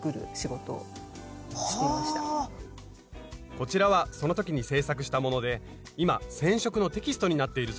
こちらはその時に制作したもので今染色のテキストになっているそうです。